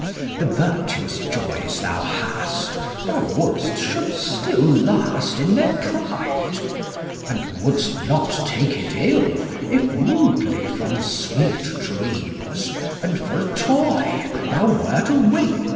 The virtuous Joys thou hast, thou would'st should still Last in their Pride ; and would'st not take it ill If rudely from sweet Dreams (and for a Toy) Thou wert awakM?